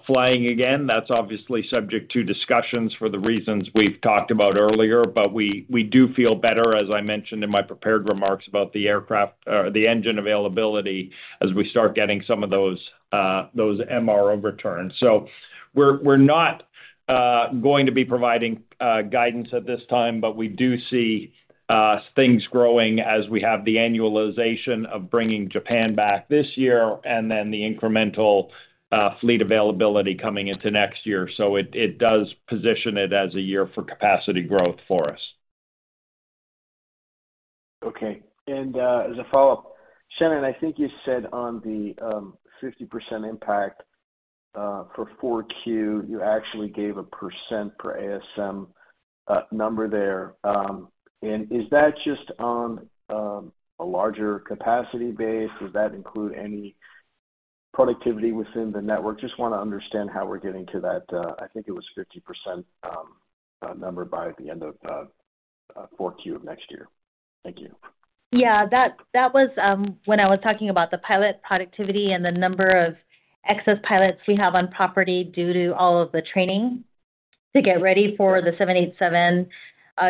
[SPEAKER 3] flying again. That's obviously subject to discussions for the reasons we've talked about earlier, but we, we do feel better, as I mentioned in my prepared remarks, about the aircraft, the engine availability as we start getting some of those, those MRO returns. So we're, we're not going to be providing guidance at this time, but we do see things growing as we have the annualization of bringing Japan back this year, and then the incremental, fleet availability coming into next year. So it, it does position it as a year for capacity growth for us.
[SPEAKER 11] Okay. As a follow-up, Shannon, I think you said on the 50% impact for 4Q, you actually gave a percent per ASM number there. And is that just on a larger capacity base? Does that include any productivity within the network? Just want to understand how we're getting to that, I think it was 50%, number by the end of 4Q of next year. Thank you.
[SPEAKER 5] Yeah, that was when I was talking about the pilot productivity and the number of excess pilots we have on property due to all of the training to get ready for the 787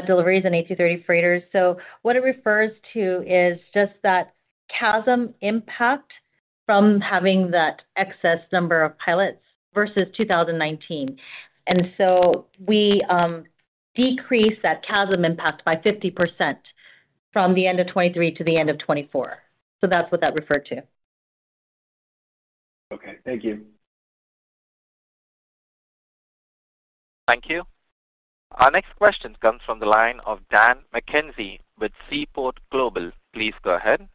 [SPEAKER 5] deliveries and A330 freighters. So what it refers to is just that CASM impact from having that excess number of pilots versus 2019. And so we decreased that CASM impact by 50% from the end of 2023 to the end of 2024. So that's what that referred to.
[SPEAKER 11] Okay, thank you.
[SPEAKER 1] Thank you. Our next question comes from the line of Dan McKenzie with Seaport Global. Please go ahead.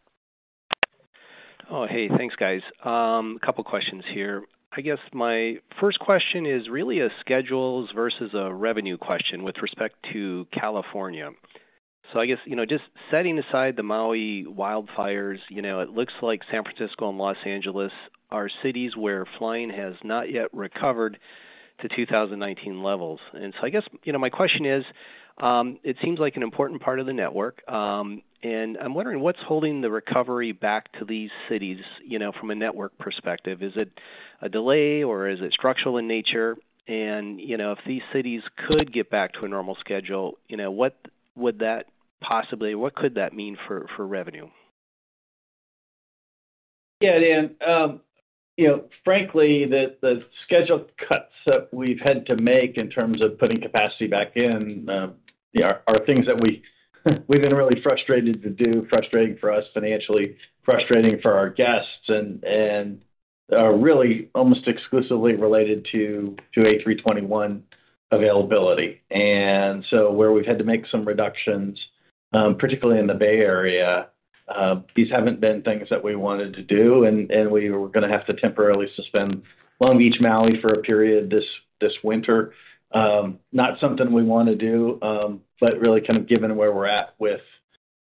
[SPEAKER 12] Oh, hey, thanks, guys. A couple questions here. I guess my first question is really a schedules versus a revenue question with respect to California. So I guess, you know, just setting aside the Maui wildfires, you know, it looks like San Francisco and Los Angeles are cities where flying has not yet recovered to 2019 levels. And so I guess, you know, my question is, it seems like an important part of the network, and I'm wondering what's holding the recovery back to these cities, you know, from a network perspective? Is it a delay, or is it structural in nature? And, you know, if these cities could get back to a normal schedule, you know, what would that possibly-- what could that mean for, for revenue?
[SPEAKER 3] Yeah, Dan, you know, frankly, the schedule cuts that we've had to make in terms of putting capacity back in, yeah, are things that we've been really frustrated to do, frustrating for us financially, frustrating for our guests, and really almost exclusively related to A321 availability. And so where we've had to make some reductions, particularly in the Bay Area, these haven't been things that we wanted to do, and we were gonna have to temporarily suspend Long Beach, Maui for a period this winter. Not something we want to do, but really kind of given where we're at with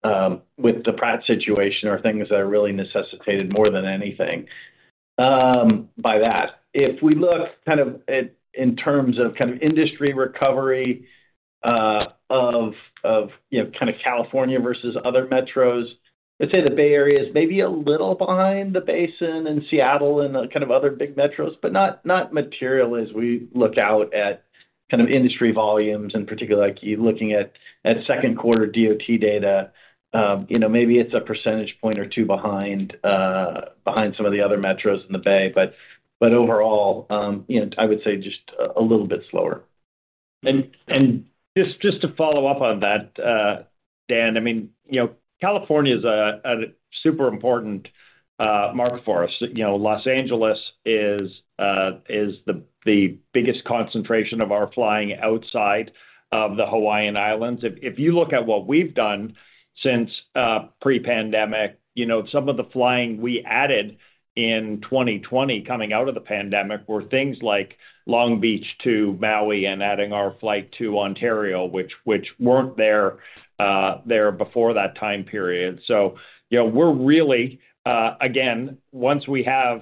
[SPEAKER 3] the Pratt situation, are things that are really necessitated more than anything by that. If we look kind of at, in terms of kind of industry recovery of you know, kind of California versus other metros, I'd say the Bay Area is maybe a little behind the Basin and Seattle and the kind of other big metros, but not material as we look out at kind of industry volumes, in particular, like you're looking at second quarter DOT data, you know, maybe it's a percentage point or two behind some of the other metros in the Bay, but overall, you know, I would say just a little bit slower. Just to follow up on that, Dan, I mean, you know, California is a super important market for us. You know, Los Angeles is the biggest concentration of our flying outside of the Hawaiian Islands. If you look at what we've done since pre-pandemic, you know, some of the flying we added in 2020, coming out of the pandemic, were things like Long Beach to Maui and adding our flight to Ontario, which weren't there before that time period. So, you know, we're really... Again, once we have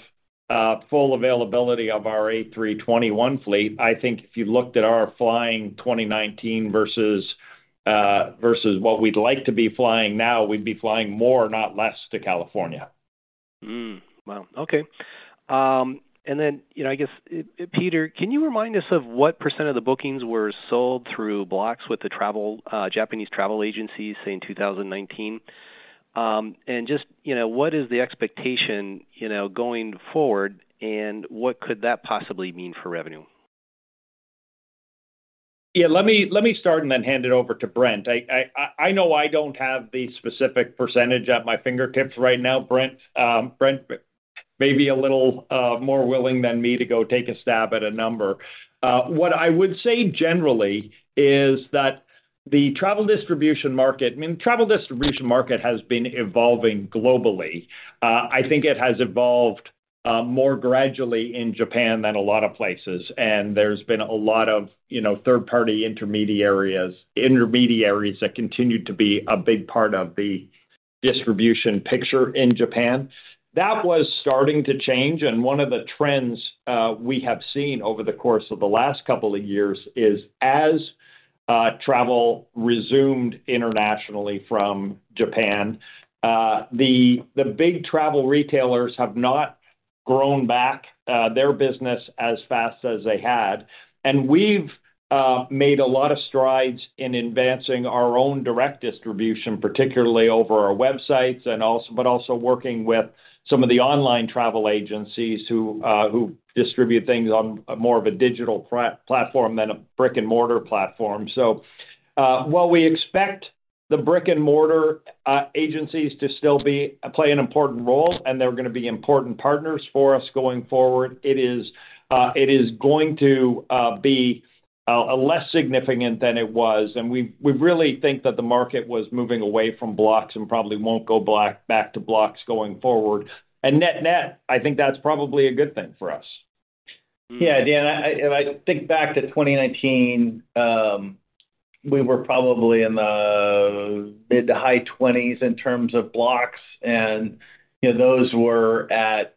[SPEAKER 3] full availability of our A321 fleet, I think if you looked at our flying 2019 versus what we'd like to be flying now, we'd be flying more, not less, to California.
[SPEAKER 12] Hmm. Wow. Okay. And then, you know, I guess, Peter, can you remind us of what % of the bookings were sold through blocks with the travel Japanese travel agencies, say, in 2019? And just, you know, what is the expectation, you know, going forward, and what could that possibly mean for revenue?
[SPEAKER 3] Yeah, let me start and then hand it over to Brent. I know I don't have the specific percentage at my fingertips right now. Brent may be a little more willing than me to go take a stab at a number. What I would say generally is that the travel distribution market, I mean, travel distribution market has been evolving globally. I think it has evolved more gradually in Japan than a lot of places, and there's been a lot of, you know, third-party intermediaries that continued to be a big part of the distribution picture in Japan. That was starting to change, and one of the trends we have seen over the course of the last couple of years is, as travel resumed internationally from Japan, the big travel retailers have not grown back their business as fast as they had. And we've made a lot of strides in advancing our own direct distribution, particularly over our websites and also—but also working with some of the online travel agencies who distribute things on more of a digital platform than a brick-and-mortar platform. So, while we expect the brick-and-mortar agencies to still play an important role, and they're going to be important partners for us going forward, it is going to be less significant than it was. We really think that the market was moving away from blocks and probably won't go back to blocks going forward. Net-net, I think that's probably a good thing for us.
[SPEAKER 4] Yeah, Dan, and I think back to 2019, we were probably in the mid- to high 20s in terms of blocks, and, you know, those were at,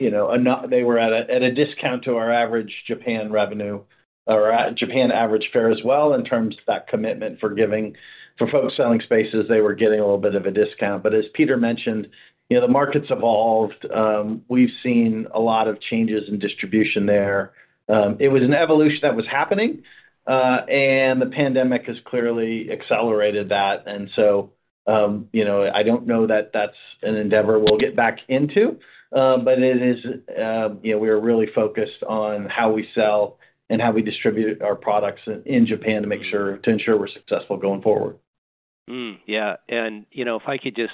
[SPEAKER 4] you know, they were at a, at a discount to our average Japan revenue or Japan average fare as well, in terms of that commitment for giving. For folks selling spaces, they were getting a little bit of a discount. But as Peter mentioned, you know, the market's evolved. We've seen a lot of changes in distribution there. It was an evolution that was happening, and the pandemic has clearly accelerated that. And so, you know, I don't know that that's an endeavor we'll get back into, but it is... You know, we are really focused on how we sell and how we distribute our products in Japan to make sure, to ensure we're successful going forward.
[SPEAKER 12] Mm-hmm. Yeah, and, you know, if I could just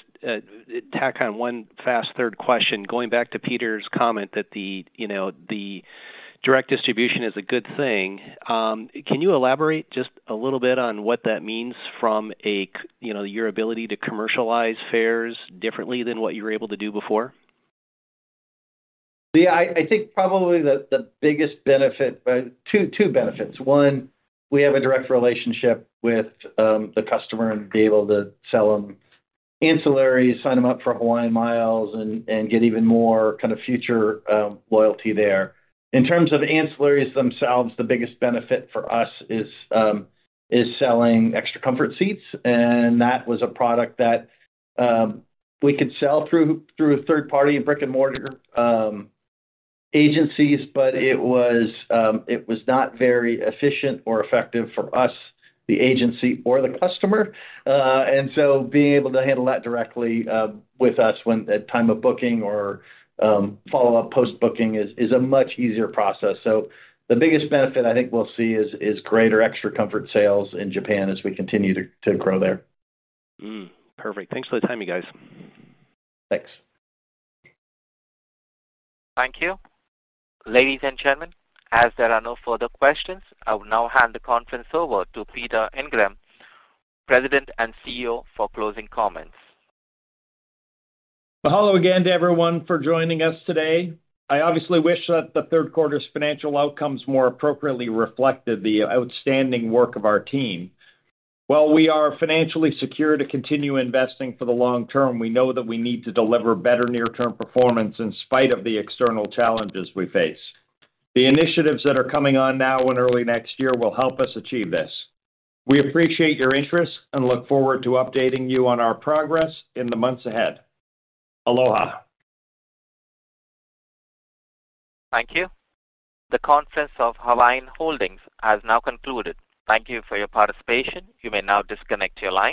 [SPEAKER 12] tack on one fast third question, going back to Peter's comment that the, you know, the direct distribution is a good thing. Can you elaborate just a little bit on what that means from a you know, your ability to commercialize fares differently than what you were able to do before?
[SPEAKER 4] Yeah, I think probably the biggest benefit, two benefits. One, we have a direct relationship with the customer and be able to sell them ancillaries, sign them up for HawaiianMiles, and get even more kind of future loyalty there. In terms of ancillaries themselves, the biggest benefit for us is selling Extra Comfort seats, and that was a product that we could sell through a third party, brick-and-mortar agencies, but it was not very efficient or effective for us, the agency, or the customer. And so being able to handle that directly with us at time of booking or follow-up post-booking is a much easier process. So the biggest benefit I think we'll see is greater Extra Comfort sales in Japan as we continue to grow there.
[SPEAKER 12] Mm-hmm. Perfect. Thanks for the time, you guys.
[SPEAKER 4] Thanks.
[SPEAKER 1] Thank you. Ladies and gentlemen, as there are no further questions, I will now hand the conference over to Peter Ingram, President and CEO, for closing comments.
[SPEAKER 3] Hello again to everyone for joining us today. I obviously wish that the third quarter's financial outcomes more appropriately reflected the outstanding work of our team. While we are financially secure to continue investing for the long term, we know that we need to deliver better near-term performance in spite of the external challenges we face. The initiatives that are coming on now and early next year will help us achieve this. We appreciate your interest and look forward to updating you on our progress in the months ahead. Aloha!
[SPEAKER 1] Thank you. The conference of Hawaiian Holdings has now concluded. Thank you for your participation. You may now disconnect your line.